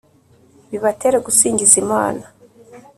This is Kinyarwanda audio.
bibatere gusingiza Imana